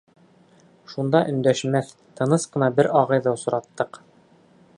Шунда өндәшмәҫ, тыныс ҡына бер ағайҙы осраттыҡ.